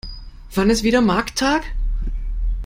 Wann ist wieder Markttag?